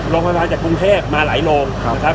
โรงพยาบาลจากกรุงเทศมาหลายโรง